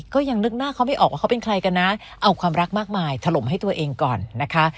ก็ยังนึกหน้าเขาไม่ออกว่าเขาเป็นใครกันนะเอาความรักมากมายถล่มให้ตัวเองก่อนนะคะ